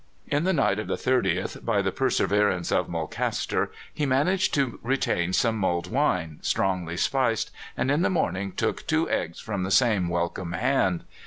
In the night of the 30th, by the perseverance of Mulcaster, he managed to retain some mulled wine, strongly spiced, and in the morning took two eggs from the same welcome hand.